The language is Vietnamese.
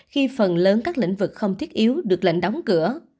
khi phần lớn các lĩnh vực không thiết yếu được lệnh đóng cửa